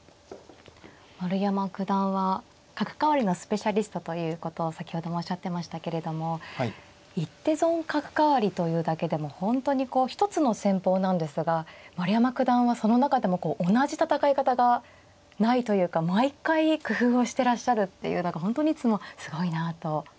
丸山九段は角換わりのスペシャリストということを先ほどもおっしゃってましたけれども一手損角換わりというだけでも本当にこう一つの戦法なんですが丸山九段はその中でもこう同じ戦い方がないというか毎回工夫をしてらっしゃるっていうのが本当にいつもすごいなと。